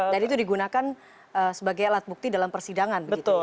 dan itu digunakan sebagai alat bukti dalam persidangan gitu ya